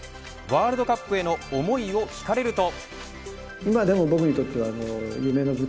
ワールドカップへの思いを聞かれると。